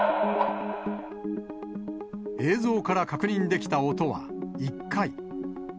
映像から確認できた音は、１回。